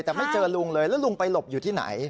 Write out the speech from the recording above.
แต่ไม่เจอลุงเลยแล้วลุงไปหลบอยู่ที่ไหน